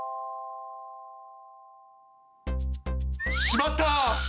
しまった！